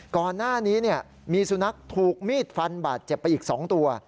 ก่อนหน้านี้มีสุนัขถูกมีดฟันบาดเจ็บไปอีก๒ตัว